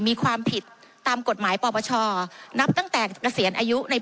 มีความผิดตามกฎหมายปปชนับตั้งแต่เกษียณอายุใน